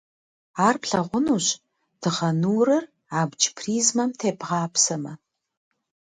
Ар плъэгъунущ дыгъэ нурыр абдж призмэм тебгъапсэмэ.